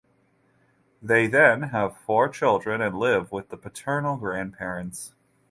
They then have four children and live with the paternal grandparents.